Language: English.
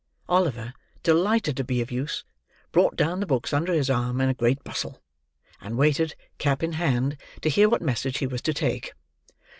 Oliver, delighted to be of use, brought down the books under his arm in a great bustle; and waited, cap in hand, to hear what message he was to take.